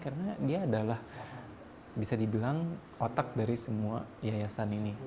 karena dia adalah bisa dibilang otak dari semua yayasan ini